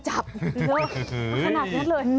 เท่านั้นเลย